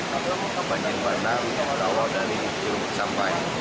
kebanjir bandar bawah dari cisarua sampai